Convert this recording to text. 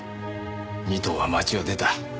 仁藤は町を出た。